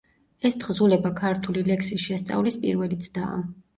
ეს თხზულება ქართული ლექსის შესწავლის პირველი ცდაა.